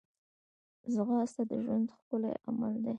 ځغاسته د ژوند ښکلی عمل دی